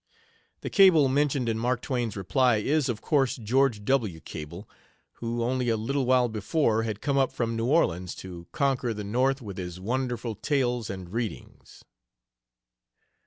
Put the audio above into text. The Cable mentioned in Mark Twain's reply is, of course, George W. Cable, who only a little while before had come up from New Orleans to conquer the North with his wonderful tales and readings.